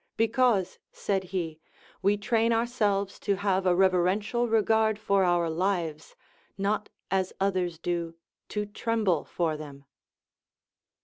Be cause, said he, we train ourselves to have a reverential regard for our lives, not, as others do, to tremble for them.